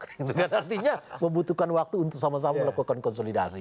artinya membutuhkan waktu untuk sama sama melakukan konsolidasi